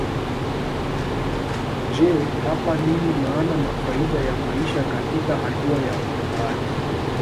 Je hapa nini maana na faida ya maisha katika hatua ya ukuaji